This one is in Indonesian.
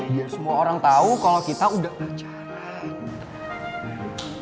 biar semua orang tau kalo kita udah pacaran